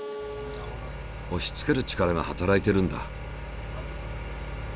おしつける力が働いてるんだ。